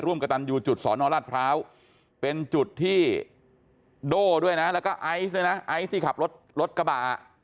ฐุ้งกะตันอยู่จุดส่อนอลราภาวเป็นจุดที่โด้และไอซ์ที่ขับรถกะบา